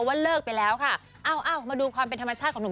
ว่าเลิกไปแล้วค่ะเอ้ามาดูความเป็นธรรมชาติของหนุ่ม